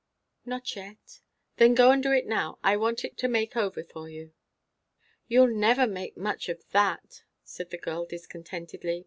"Not yet." "Then go and do it now. I want it to make over for you." "You'll never make much of that," said the girl discontentedly.